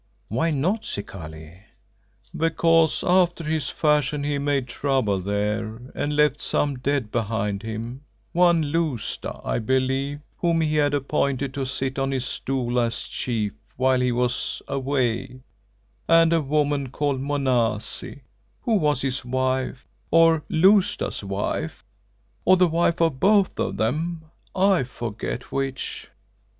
"Why not, Zikali?" "Because after his fashion he made trouble there and left some dead behind him; one Lousta, I believe, whom he had appointed to sit on his stool as chief while he was away, and a woman called Monazi, who was his wife, or Lousta's wife, or the wife of both of them, I forget which.